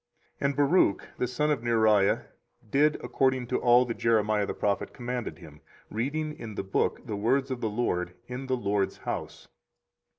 24:036:008 And Baruch the son of Neriah did according to all that Jeremiah the prophet commanded him, reading in the book the words of the LORD in the LORD's house.